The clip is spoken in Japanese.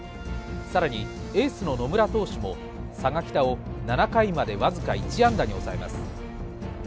更にエースの野村投手も佐賀北を７回まで僅か１安打に抑えます。